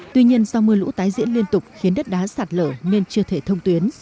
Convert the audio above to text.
tuy nhiên do mưa lũ tái diễn liên tục khiến đất đá sạt lở nên chưa thể thông tuyến